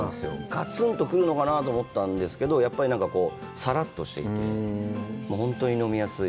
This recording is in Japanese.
ガツンと来るのかなと思ったんですけど、やっぱりさらっとしていて本当に飲みやすい。